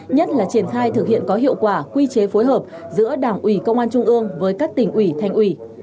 nhất là triển khai thực hiện có hiệu quả quy chế phối hợp giữa đảng ủy công an trung ương với các tỉnh ủy thành ủy